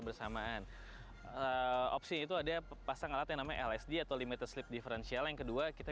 bersamaan opsi itu ada pasang alat yang namanya lsd atau limited sleep differential yang kedua kita